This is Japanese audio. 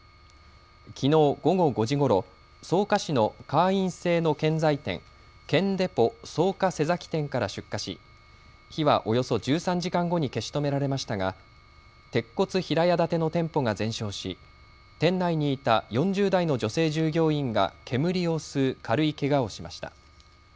きのう午後５時ごろ、草加市の会員制の建材店、建デポ草加瀬崎店から出荷し火はおよそ１３時間後に消し止められましたが鉄骨平屋建ての店舗が全焼し店内にいた４０代の女性従業員が煙を吸う軽いけがをしました。